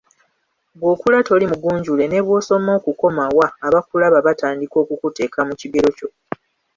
Bw’okula toli mugunjule ne bw’osoma okukoma wa, abakulaba batandika okukuteeka mu kigero kyo.